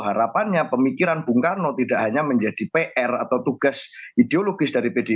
harapannya pemikiran bung karno tidak hanya menjadi pr atau tugas ideologis dari pdip